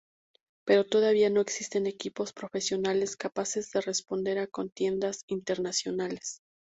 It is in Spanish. Pero todavía no existen equipos profesionales capaces de responder a contiendas internacionales.